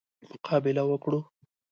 مقابله وکړو.